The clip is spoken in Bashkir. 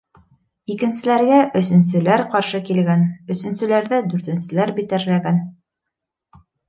Икенселәргә өсөнсөләр ҡаршы килгән, өсөнсөләрҙе дүртенселәр битәрләгән...